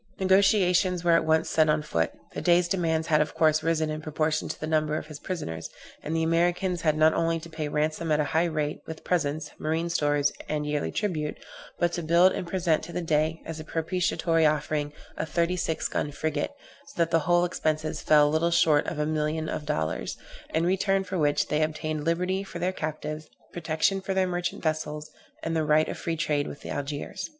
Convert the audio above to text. Negociations were at once set on foot; the Dey's demands had of course risen in proportion to the number of his prisoners, and the Americans had not only to pay ransom at a high rate, with presents, marine stores, and yearly tribute, but to build and present to the Dey, as a propitiatory offering, a thirty six gun frigate; so that the whole expenses fell little short of a million of dollars, in return for which they obtained liberty for their captives, protection for their merchant vessels, and the right of free trade with Algiers.